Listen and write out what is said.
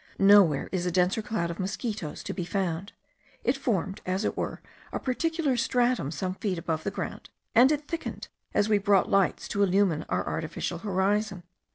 Nowhere is a denser cloud of mosquitos to be found. It formed, as it were, a particular stratum some feet above the ground, and it thickened as we brought lights to illumine our artificial horizon.